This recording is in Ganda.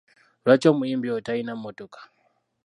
Lwaki omuyimbi oyo talina mmotoka?